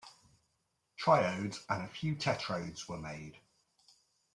Triodes and a few tetrodes were made.